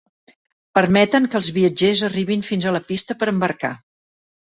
Permeten que els viatgers arribin fins a la pista per a embarcar.